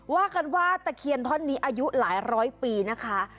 ว่ากันว่าตะเคียนท่อนนี้อายุหลายร้อยปีนะคะ